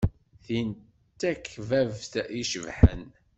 Tin d takbabt icebḥen.